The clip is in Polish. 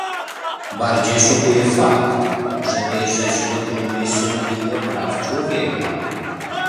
Bardziej szokuje fakt, że tej rzezi dokonuje się w imię praw człowieka